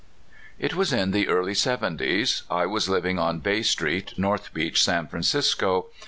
IT was in the early seventies. I was living on Bay Street, North Beach, San Francisco.